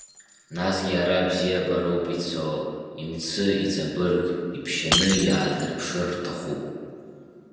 Насгьы ара бзиабароуп ицо, имцы, иҵабырг, иԥшьаны иаадырԥшыр рҭахуп.